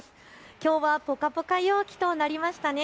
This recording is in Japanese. きょうはぽかぽか陽気となりましたね。